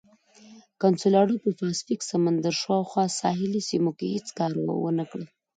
کنسولاډو په پاسفیک سمندر شاوخوا ساحلي سیمو کې هېڅ کار ونه کړ.